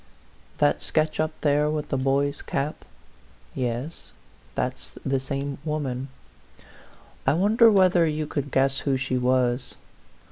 THAT sketch up there with the boy's cap ? Yes; that's the same woman. I wonder whether you could guess who she was.